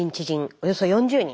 およそ４０人。